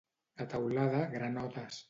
A Teulada, granotes.